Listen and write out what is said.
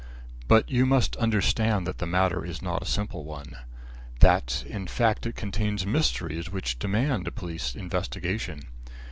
But you must understand that the matter is not a simple one. That, in fact, it contains mysteries which demand police investigation.